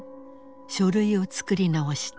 書類を作り直した。